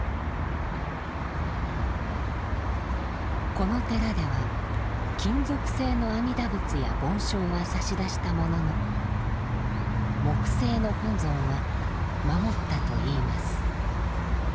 この寺では金属製の阿弥陀仏や梵鐘は差し出したものの木製の本尊は守ったといいます。